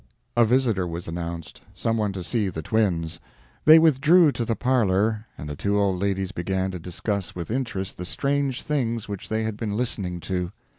A visitor was announced some one to see the twins. They withdrew to the parlor, and the two old ladies began to discuss with interest the strange things which they had been listening to.